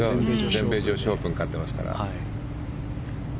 全米女子オープン勝ってますから。